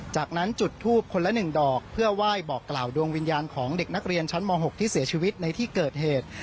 จากนั้นจุดทูบคนละ๑ดอกเพื่อไหว้บอกกล่าวดวงวิญญาณของเด็กนักเรียนชั้นม๖ที่เสียชีวิตในที่เกิดเหตุ